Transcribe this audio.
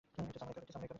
একটা samurai cup.